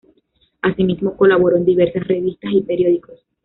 Así mismo colaboró en diversas revistas y periódicos.